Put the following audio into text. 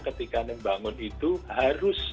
ketika membangun itu harus